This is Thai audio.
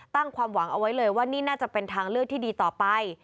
ความหวังเอาไว้เลยว่านี่น่าจะเป็นทางเลือกที่ดีต่อไป